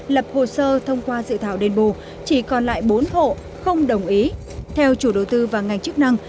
lập hồ sơ thông qua dự thảo đền bù chỉ còn lại bốn hộ không đồng ý theo chủ đầu tư và ngành chức năng